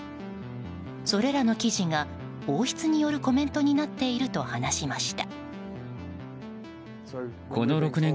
それらの記事が王室によるコメントになっていると話しました。